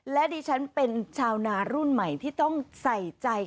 และดิฉันเป็นชาวนารุ่นใหม่ที่ต้องใส่ใจ